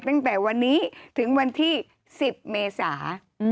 ตั้งแต่วันนี้ถึงวันที่๑๐เมษา